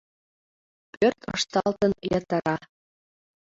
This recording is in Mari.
Пӧрт ышталтын йытыра